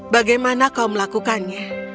bagaimana kau melakukannya